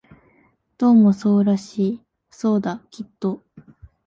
どうもそうらしい、そうだ、きっと